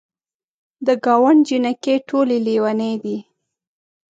د ګاونډ جینکۍ ټولې لیونۍ دي.